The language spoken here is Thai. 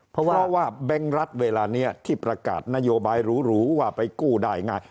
เพราะว่าแบงค์รัฐเวลานี้ที่ประกาศนโยบายหรูว่าไปกู้ได้ง่าย